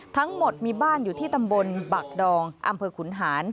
ทั้งหมดมีบ้านอยู่ที่ตำบลบักดองอำเภอขุนหาน